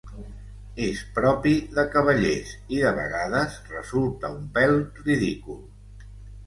És propi de cavallers i de vegades resulta un pèl ridícul.